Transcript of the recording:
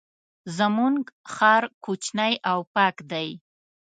زمونږ ښار کوچنی او پاک دی.